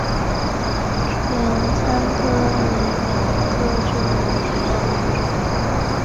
拳参为蓼科春蓼属下的一个种。